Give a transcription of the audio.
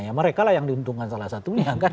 ya mereka lah yang diuntungkan salah satunya kan